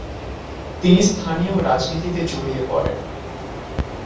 তিনি স্থানীয় রাজনীতিতে জরিয়ে পরেন।